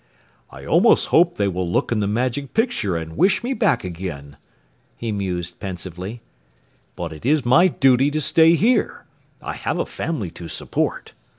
"I almost hope they will look in the Magic Picture and wish me back again," he mused pensively. "But it is my duty to stay here. I have a family to support."